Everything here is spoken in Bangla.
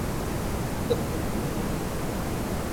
একে খুন করলেই আমরা এখান থেকে পালাতে পারবো।